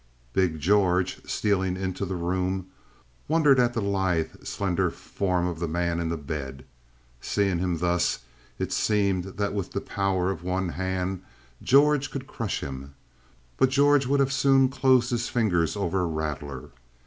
Big George, stealing into the room, wondered at the lithe, slender form of the man in the bed. Seeing him thus, it seemed that with the power of one hand, George could crush him. But George would as soon have closed his fingers over a rattler.